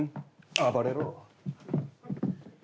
暴れろ。